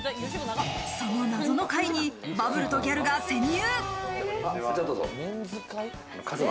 その謎の会にバブルとギャルが潜入。